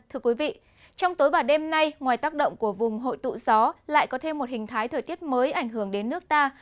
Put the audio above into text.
trong tối và đêm nay ngoài tác động của vùng hội tụ gió lại có thêm một hình thái thời tiết mới ảnh hưởng đến nước ta